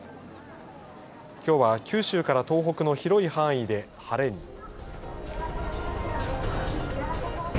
きょうは九州から東北の広い範囲で晴れに。